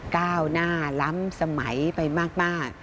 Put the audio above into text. ก้าวหน้าล้ำสมัยไปมาก